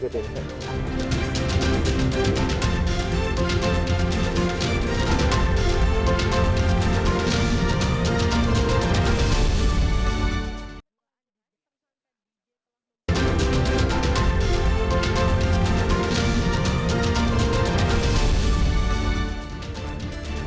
oke terima kasih